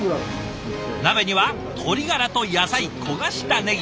鍋には鶏がらと野菜焦がしたねぎ。